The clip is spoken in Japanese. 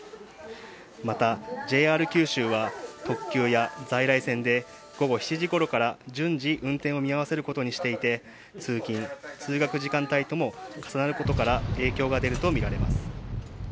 また、ＪＲ九州は特急や在来線で午後７時ごろから順次、運転を見合わせることにしていて通勤・通学時間帯とも重なることから影響が出るとみられます。